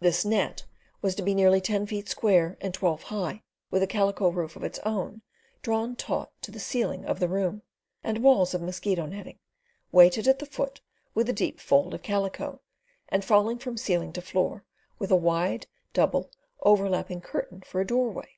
This net was to be nearly ten feet square and twelve high, with a calico roof of its own drawn taut to the ceiling of the room, and walls of mosquito netting, weighted at the foot with a deep fold of calico, and falling from ceiling to floor, with a wide double overlapping curtain for a doorway.